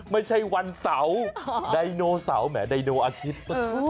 ไม่ใช่วันเสาร์ไดโนเสาร์แหมไดโนอาทิตย์